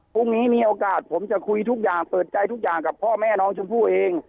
พรุ่งนี้มีโอกาสผมจะคุยทุกอย่างเปิดใจทุกอย่างกับพ่อแม่น้องชมพู่เอง